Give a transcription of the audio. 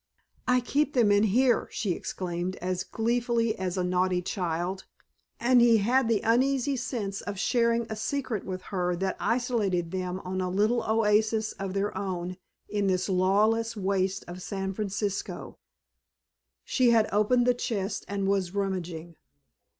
"I keep them in here," she exclaimed as gleefully as a naughty child; and he had the uneasy sense of sharing a secret with her that isolated them on a little oasis of their own in this lawless waste of San Francisco. She had opened the chest and was rummaging.